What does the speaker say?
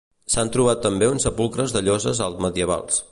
S'han trobat també uns sepulcres de lloses alt-medievals.